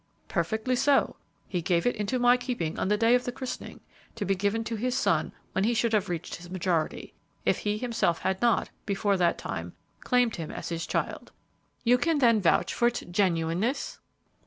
"Perfectly so; he gave it into my keeping on the day of the christening, to be given to his son when he should have reached his majority, if he himself had not, before that time, claimed him as his child." "You can then vouch for its genuineness?"